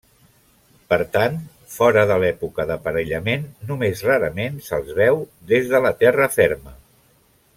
Per tant, fora de l'època d'aparellament només rarament se'ls veu des de la terra ferma.